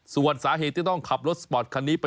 ส่วนสาเหตุที่ต้องขับรถสปอร์ตคันนี้ไป